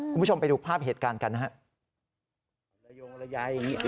คุณผู้ชมไปดูภาพเหตุการณ์กันนะครับ